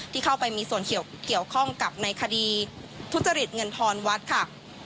ที่เข้าไปมีส่วนเกี่ยวข้องกับในคดีทุจริตเงินทอนวัดค่ะ